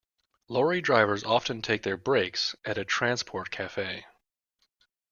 Lorry drivers often take their breaks at a transport cafe